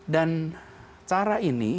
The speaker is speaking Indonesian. dan cara ini